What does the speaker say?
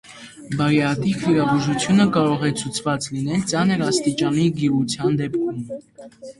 Բարիատրիկ վիրաբուժությունը կարող է ցուցված լինել ծանր աստիճանի գիրության դեպքում։